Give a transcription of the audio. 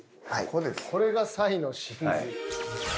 これがサイの真髄。